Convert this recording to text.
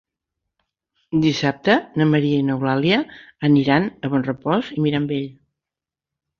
Dissabte na Maria i n'Eulàlia aniran a Bonrepòs i Mirambell.